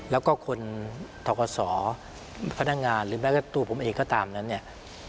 แล้วก็คนทกศพนักงานหรือแม้แต่ตัวผมเองก็ตามนั้นเนี่ย